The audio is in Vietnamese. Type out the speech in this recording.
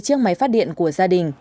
chiếc máy phát điện của gia đình